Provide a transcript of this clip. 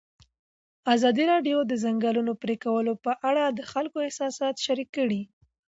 ازادي راډیو د د ځنګلونو پرېکول په اړه د خلکو احساسات شریک کړي.